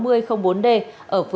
ở phường tân biên tp biên hòa